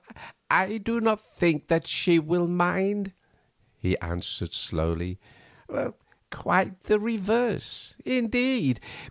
"I do not think that she will mind," he answered slowly; "quite the reverse, indeed.